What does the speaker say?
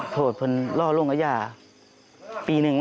โทษเมื่อล่อลงกระยะปีหนึ่ง